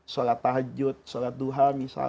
salat tahajud salat duhal misalnya